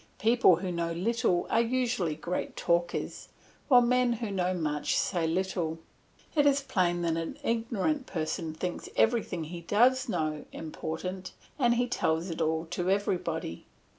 People who know little are usually great talkers, while men who know much say little. It is plain that an ignorant person thinks everything he does know important, and he tells it to everybody.